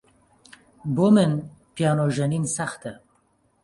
بۆ من پیانۆ ژەنین سەختە.